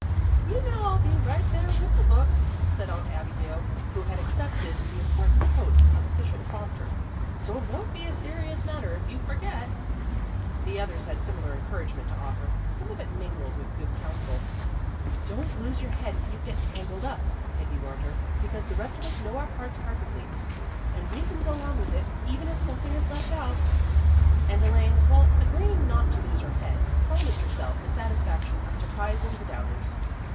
"You know I'll be right there with the book," said Aunt Abigail, who had accepted the important post of official prompter. "So it won't be a serious matter if you forget." The others had similar encouragement to offer, some of it mingled with good counsel. "Don't lose your head if you get tangled up," Peggy warned her. "Because the rest of us know our parts perfectly, and we can go on with it, even if something is left out." And Elaine, while agreeing not to lose her head, promised herself the satisfaction of surprising the doubters.